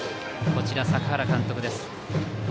こちら坂原監督です。